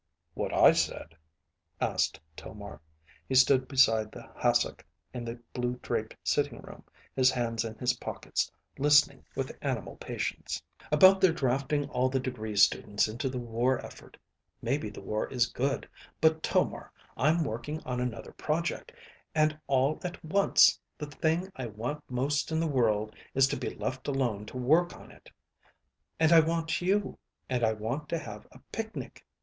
"What I said?" asked Tomar. He stood beside the hassock in the blue draped sitting room, his hands in his pockets, listening with animal patience. "About their drafting all the degree students into the war effort. Maybe the war is good, but Tomar, I'm working on another project, and all at once, the thing I want most in the world is to be left alone to work on it. And I want you, and I want to have a picnic.